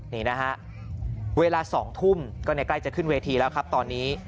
นี่นะฮะเวลา๒ทุ่มก็ใกล้จะขึ้นเวทีแล้วครับตอนนี้